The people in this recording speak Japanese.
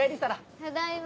ただいま。